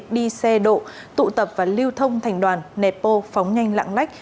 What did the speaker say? đi xe độ tụ tập và lưu thông thành đoàn nepo phóng nhanh lãng lách